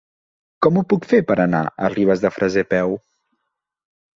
Com ho puc fer per anar a Ribes de Freser a peu?